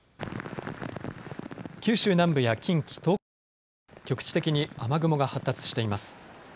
九州南部や近畿、東海などで局地的に雨雲が発達しています。